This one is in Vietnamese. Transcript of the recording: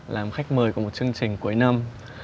làm khách mời của một chương trình cuối năm